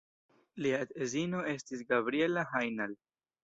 Lia edzino estis Gabriella Hajnal.